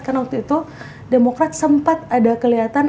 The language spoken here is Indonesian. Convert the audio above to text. karena waktu itu demokrat sempat ada kelihatan